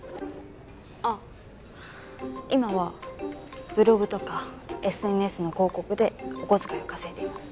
あっ今はブログとかＳＮＳの広告でお小遣いを稼いでいます。